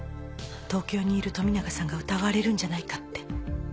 東京にいる富永さんが疑われるんじゃないかって。